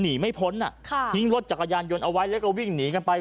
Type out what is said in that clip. หนีไม่พ้นอ่ะค่ะทิ้งรถจักรยานยนต์เอาไว้แล้วก็วิ่งหนีกันไป